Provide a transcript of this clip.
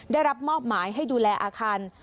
ได้รับมอบหมายให้ดูแลอาคาร